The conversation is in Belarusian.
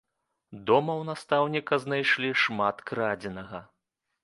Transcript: Дома ў настаўніка знайшлі шмат крадзенага.